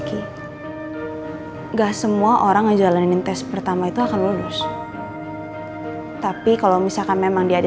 enggak semua orang ngejalanin tes pertama itu akan lulus tapi kalau misalkan memang dia di